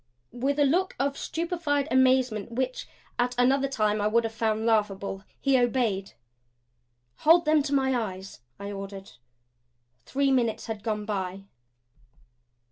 With a look of stupefied amazement which, at another time I would have found laughable, he obeyed. "Hold them to my eyes," I ordered. Three minutes had gone by.